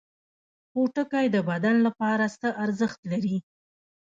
پوټکی د بدن لپاره څه ارزښت لري؟